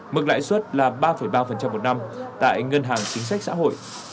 mức lãi suất là ba ba một năm tại ngân hàng chính sách xã hội